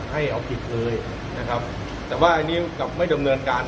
ให้เอาผิดเลยนะครับแต่ว่าอันนี้กับไม่ดำเนินการ